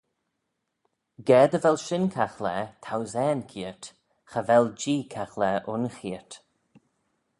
Ga dy vel shin caghlaa thousane keayrt, cha vel Jee caghlaa un cheayrt.